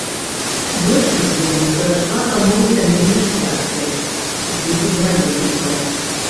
Большасць земляў перайшла да новай зямельнай шляхты з ліку заваёўнікаў.